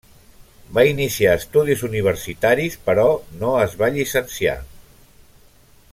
Va iniciar estudis universitaris però no es va llicenciar.